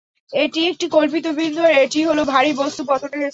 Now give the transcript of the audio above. এটি একটি কল্পিত বিন্দু আর এটিই হলো ভারি বস্তু পতনের স্থল।